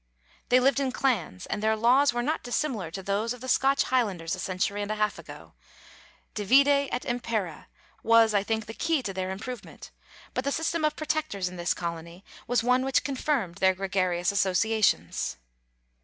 They lived in clans, and their laws were not dissimilar to those of the Scotch Highlanders a century and a half ago. "Divide et impera" was I think the key to their improvement, but the system of Protectors in this colony was one which confirmed their gregarious associations.